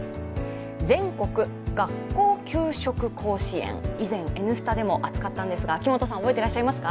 全国学校給食甲子園、以前、「Ｎスタ」でも熱かったんですが秋元さん、覚えていらっしゃいますか？